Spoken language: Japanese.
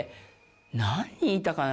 何人いたかな？